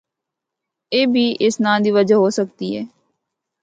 اے بھی اس ناں دی وجہ ہو سکدی ہے۔